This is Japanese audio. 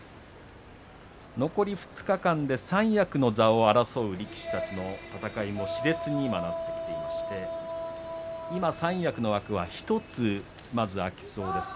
残り２日間で三役の座を争う力士たちの戦いもしれつに今なってきていまして今、三役の枠は１つまず空きそうです。